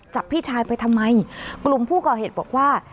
พี่ชายไปทำไมกลุ่มผู้ก่อเหตุบอกว่า